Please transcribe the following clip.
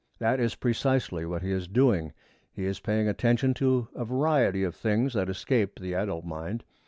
That is precisely what he is doing. He is paying attention to a variety of things that escape the adult mind.